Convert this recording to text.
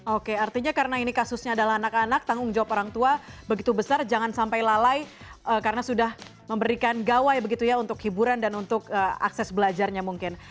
oke artinya karena ini kasusnya adalah anak anak tanggung jawab orang tua begitu besar jangan sampai lalai karena sudah memberikan gawai begitu ya untuk hiburan dan untuk akses belajarnya mungkin